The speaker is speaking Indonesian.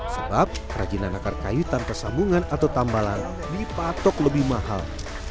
sebab kerajinan akar kayu tanpa sambungan atau tambalan dipatok lebih mahal